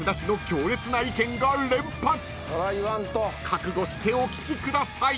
［覚悟してお聞きください］